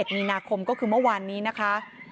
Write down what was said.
มีนาคมก็คือเมื่อวานนี้นะคะ